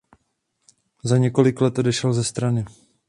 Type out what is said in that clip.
Za několik let odešel ze strany.